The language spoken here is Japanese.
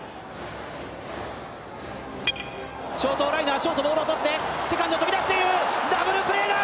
ショートライナー、ショート、ボールを捕って、セカンド飛び出しているダブルプレーだ！